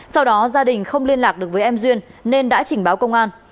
sau đó gia đình không liên lạc được với em duyên nên đã trình báo công an